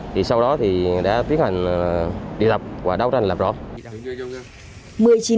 thì sau đó thì đã tiến hành đi tập và đấu tranh lập rộn